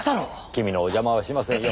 君のお邪魔はしませんよ。